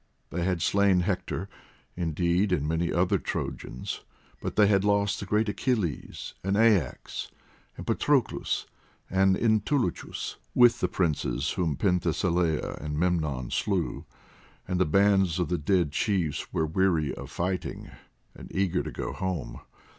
They had slain Hector, indeed, and many other Trojans, but they had lost the great Achilles, and Aias, and Patroclus, and Antilochus, with the princes whom Penthesilea and Memnon slew, and the bands of the dead chiefs were weary of fighting, and eager to go home.